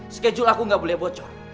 skedule aku tidak boleh bocor